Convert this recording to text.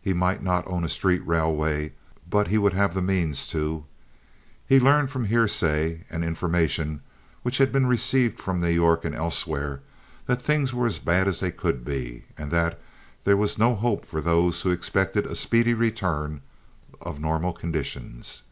He might not own a street railway, but he would have the means to. He learned from hearsay, and information which had been received from New York and elsewhere, that things were as bad as they could be, and that there was no hope for those who expected a speedy return of normal conditions.